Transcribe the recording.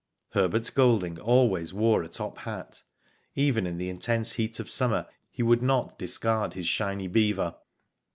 Herbert Golding always wore a top hat. Even in the intense heat of summer he would not dis card his shiny beaver.